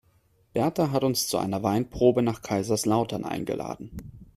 Berta hat uns zu einer Weinprobe nach Kaiserslautern eingeladen.